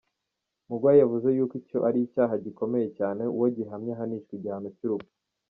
Muigai yavuze yuko icyo ari icyaha gikomeye cyane, uwo gihamye ahanishwa igihano cy’urupfu !